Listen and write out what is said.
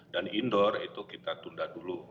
dan indoor itu kita tunda dulu